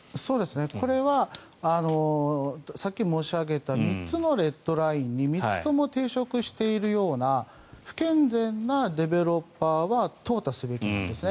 これはさっき申し上げた３つのレッドラインに３つとも抵触しているような不健全なディベロッパーはとう汰されるということです。